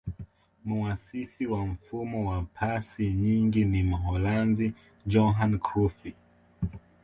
muasisi wa mfumo wa pasi nyingi ni mholanzi johan crufy